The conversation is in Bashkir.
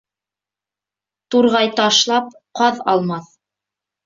Турғай ташлап, ҡаҙ алмаҫ.